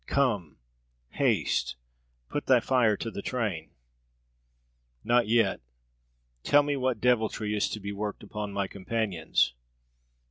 Come, haste. Put thy fire to the train." "Not yet! Tell me what deviltry is to be worked upon my companions."